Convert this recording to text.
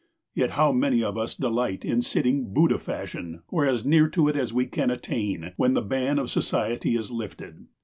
Yet how many of us delight in sitting Buddha fashion, or as near to it as we can attain, when the ban of society is lifted!